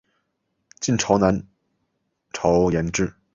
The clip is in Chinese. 晋朝南朝沿置。